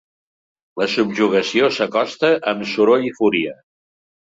La subjugació s’acosta amb soroll i fúria.